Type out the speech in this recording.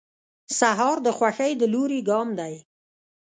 سهار د خوښۍ د لوري ګام دی.